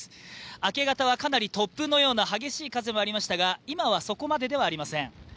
明け方はかなり突風のような激しい風もありましたが今はそこまでではありません